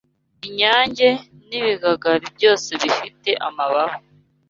inyange n’ibigagari byoze bifite amababa